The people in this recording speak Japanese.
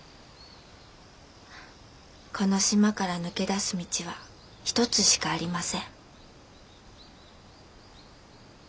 『この島から抜け出す道は一つしかありません』」。